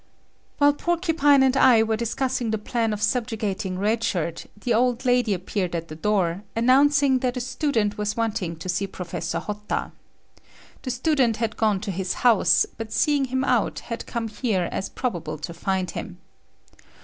While Porcupine and I were discussing the plan of subjugating Red Shirt, the old lady appeared at the door, announcing that a student was wanting to see Professor Hotta. The student had gone to his house, but seeing him out, had come here as probable to find him.